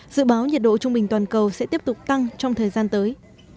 dự báo nhiệt độ trung bình toàn cầu sẽ tiếp tục tăng trong thời gian tới